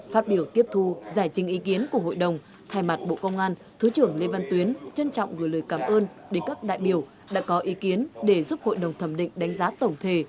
phát biểu tiếp thu giải trình ý kiến của hội đồng thay mặt bộ công an thứ trưởng lê văn tuyến trân trọng gửi lời cảm ơn đến các đại biểu đã có ý kiến để giúp hội đồng thẩm định đánh giá tổng thể